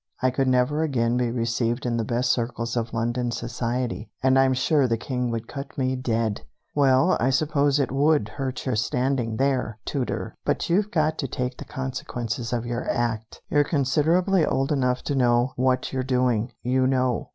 I could never again be received in the best circles of London society, and I'm sure the King would cut me dead!" "Well, I suppose it would hurt your standing there, Tooter; but you've got to take the consequences of your act. You're considerably old enough to know what you're doing, you know.